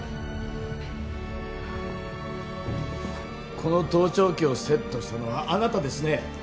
この盗聴器をセットしたのはあなたですね？